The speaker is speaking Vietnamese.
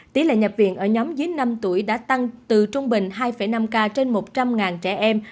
tỷ lệ nhập viện ở nhóm dưới năm tuổi đã tăng từ trung bình hai năm ca trên một trăm linh trẻ em